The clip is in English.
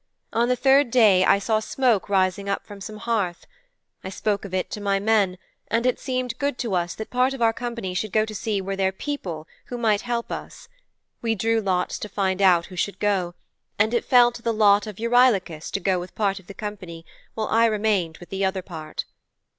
On the third day I saw smoke rising up from some hearth. I spoke of it to my men, and it seemed good to us that part of our company should go to see were there people there who might help us. We drew lots to find out who should go, and it fell to the lot of Eurylochus to go with part of the company, while I remained with the other part.'